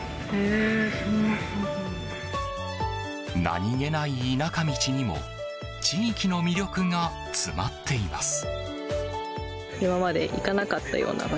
何気ない田舎道にも地域の魅力が詰まっています。